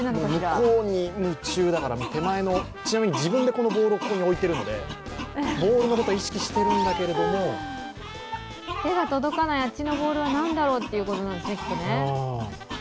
向こうに夢中だから、ちなみに自分でここにボールを置いてるのでボールのことを意識してるんだけども手が届かない、あっちのボールは何だろうってことですね。